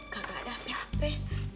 gak ada apa apa